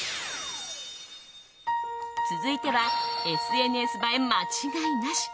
続いてはＳＮＳ映え間違いなし！